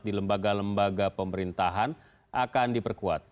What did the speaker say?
di lembaga lembaga pemerintahan akan diperkuat